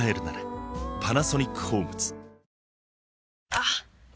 あっ！